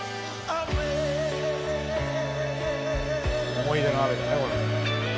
思い出の雨だね。